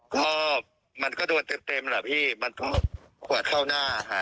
ก็มันก็โดนเต็มแหละพี่มันต้องก้วนข้าวหน้าค่ะ